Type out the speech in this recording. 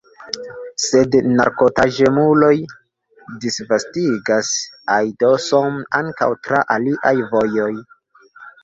Sed narkotaĵemuloj disvastigas aidoson ankaŭ tra aliaj vojoj.